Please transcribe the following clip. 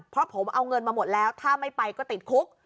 เพราะผมเอาเงินมาหมดแล้วถ้าไม่ไปก็ติดคุก